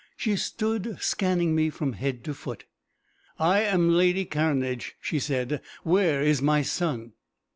She stood scanning me from head to foot. "I am lady Cairnedge," she said. "Where is my son?"